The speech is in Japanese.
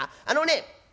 あのね